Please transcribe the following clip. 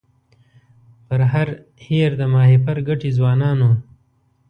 پر هر هېر د ماهیپر ګټي ځوانانو